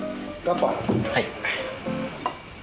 はい。